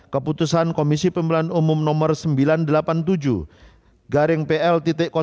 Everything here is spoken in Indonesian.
tiga keputusan komisi pemilihan umum no sembilan ratus delapan puluh tujuh garing pl satu delapan